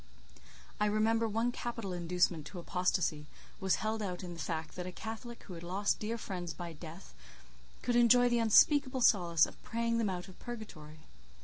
I remember one capital inducement to apostacy was held out in the fact that the Catholic who had lost dear friends by death could enjoy the unspeakable solace of praying them out of purgatory.